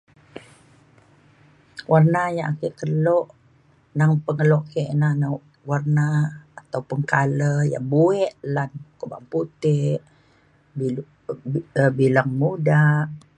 warna ya' ake keluk nang pengeluk ke' ne ina warna ataupun colour ya buek lan ukok ba'an putik, bil um bileng muda.